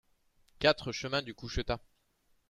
quatre chemin du Couchetat